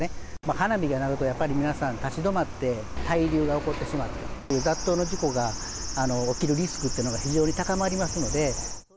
花火が鳴ると、やっぱり皆さん立ち止まって、滞留が起こってしまって、雑踏の事故が起きるリスクっていうのが非常に高まりますので。